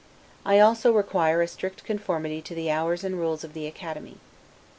I also require a strict conformity to the hours and rules of the Academy.